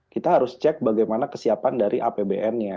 kita harus cek bagaimana kesiapan dari apb